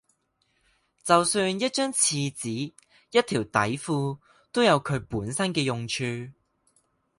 就算一張廁紙、一條底褲，都有佢本身嘅用處